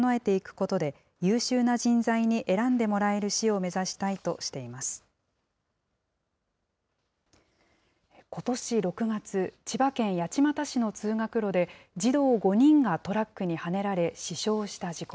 ことし６月、千葉県八街市の通学路で児童５人がトラックにはねられ、死傷した事故。